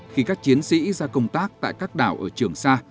khi các chiến sĩ ra công tác tại các đảo ở trường sa